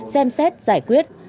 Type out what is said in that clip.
xem xét giải quyết